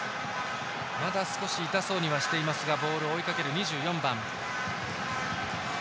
まだ少し痛そうにはしていますがボールを追いかける２４番。